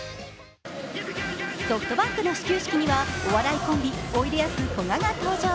ソフトバンクの始球式にはお笑いコンビおいでやすこがが登場。